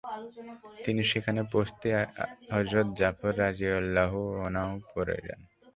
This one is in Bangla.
তিনি সেখানে পৌঁছতেই হযরত জাফর রাযিয়াল্লাহু আনহু পড়ে যান।